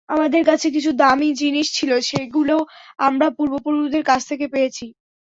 আমাদের কাছে কিছু দামি জিনিস ছিল, যেগুলো আমরা পূর্বপুরুষদের কাছ থেকে পেয়েছি।